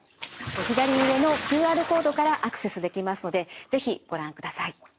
左上のＱＲコードからアクセスできますので是非ご覧ください。